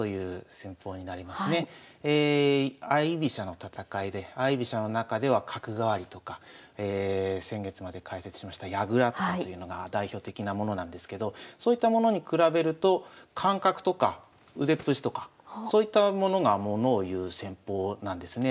相居飛車の戦いで相居飛車の中では角換わりとか先月まで解説しました矢倉とかというのが代表的なものなんですけどそういったものに比べると感覚とか腕っぷしとかそういったものがものをいう戦法なんですね。